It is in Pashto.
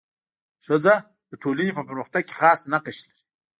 ښځه د ټولني په پرمختګ کي خاص نقش لري.